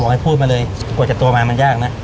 กูบอกให้พูดมาเลยโปรดจะต่อมามันยากน่ะ